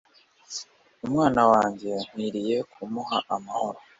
umwana wanjye nkwiriye kumuha amahoro